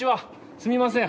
すみません。